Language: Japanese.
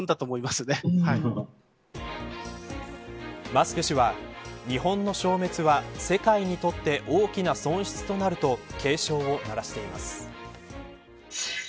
マスク氏は、日本の消滅は世界にとって大きな損失となると警鐘を鳴らしています。